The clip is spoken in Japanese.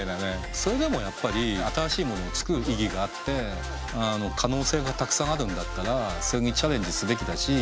それでもやっぱり新しいものを作る意義があって可能性がたくさんあるんだったらそれにチャレンジすべきだし。